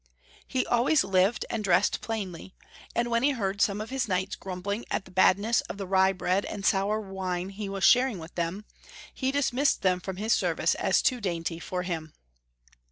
He always lived and dressed plainly, and when he heard some of his knights grumbling at the badness of the rye bread and sour wine he was sharing with them, he dismissed them from his service as too dainty for him.